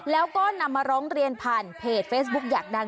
แล้วก็นำมาร้องเรียนผ่านเพจเฟซบุ๊กอยากดัง